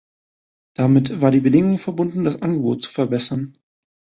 Damit war die Bedingung verbunden, das Angebot zu verbessern.